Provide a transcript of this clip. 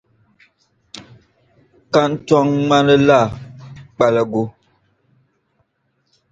Kantɔŋ ŋmani la kpaligu.